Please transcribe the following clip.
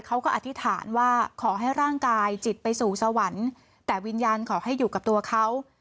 อธิษฐานว่าขอให้ร่างกายจิตไปสู่สวรรค์แต่วิญญาณขอให้อยู่กับตัวเขา